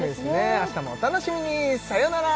明日もお楽しみにさようなら